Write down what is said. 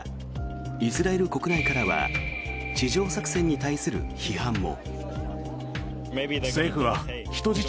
イスラエル国内からは地上作戦に対する批判も。